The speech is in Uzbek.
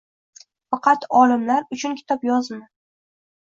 Faqat olimlar uchun kitob yozma.